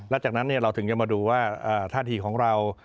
แล้วจากนั้นเราถึงจะมาดูว่าท่าทีของเรา